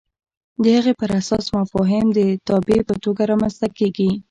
د هغې پر اساس مفاهیم د تابع په توګه رامنځته کېږي.